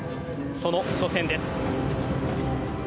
その初戦です。